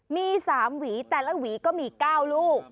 มี๓หวีแต่ละหวีก็มี๙ลูก